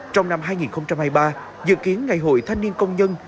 trong năm hai nghìn hai mươi ba dự kiến ngày hội thanh niên công nhân